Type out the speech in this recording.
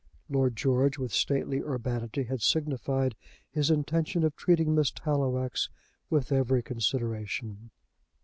Lord George, with stately urbanity, had signified his intention of treating Miss Tallowax with every consideration.